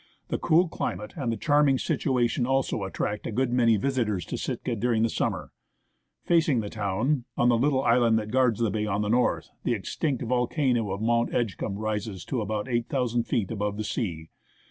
The cool climate, and the charming situation also, attract a good many visitors to Sitka during the summer. Facing the town, on the little island that guards the bay on the north, the extinct volcano of Mount Edgecumbe rises to about 8,000 feet above the sea.